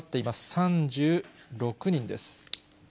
３６人です。